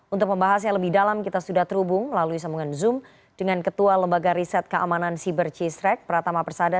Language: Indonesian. untuk pembahas yang lebih dalam kita sudah terhubung melalui sambungan zoom dengan ketua lembaga riset keamanan siber cisrek pratama persada